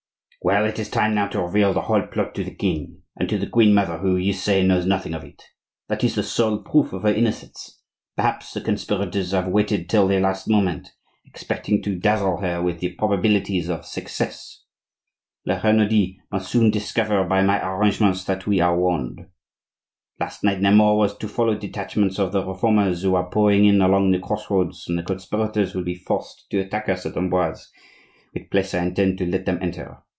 "Well, it is time now to reveal the whole plot to the king, and to the queen mother, who, you say, knows nothing of it,—that is the sole proof of her innocence; perhaps the conspirators have waited till the last moment, expecting to dazzle her with the probabilities of success. La Renaudie must soon discover by my arrangements that we are warned. Last night Nemours was to follow detachments of the Reformers who are pouring in along the cross roads, and the conspirators will be forced to attack us at Amboise, which place I intend to let them enter.